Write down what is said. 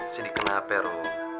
sedih kenapa ya rum